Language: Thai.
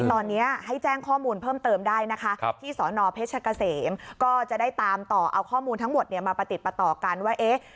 ตอนนี้ให้แจ้งข้อมูลเพิ่มเติมได้นะคะที่สนเพชรเกษมก็จะได้ตามต่อเอาข้อมูลทั้งหมดเนี่ยมาประติดประต่อกันว่าเอ๊ะ